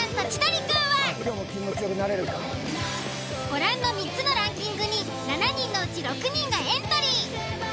ご覧の３つのランキングに７人のうち６人がエントリー。